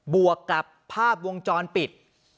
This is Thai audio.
วกกับภาพวงจรปิด